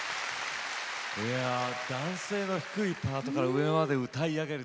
男性の低いパートから上まで歌い上げる